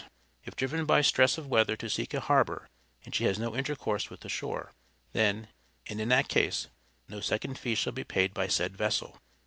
If driven by stress of weather to seek a harbor, and she has no intercourse with the shore, then, and in that case, no second fee shall be paid by said vessel.